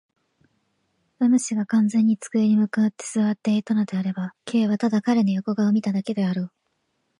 ラム氏が完全に机に向って坐っていたのであれば、Ｋ はただ彼の横顔を見ただけであろう。